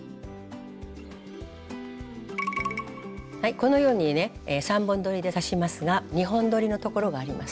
このようにね３本どりで刺しますが２本どりのところがあります。